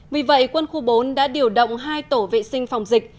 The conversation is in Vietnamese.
vì vậy quân khu bốn đã điều động hai tổ vệ sinh phòng dịch